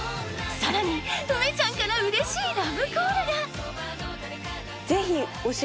［さらに梅ちゃんからうれしいラブコールが］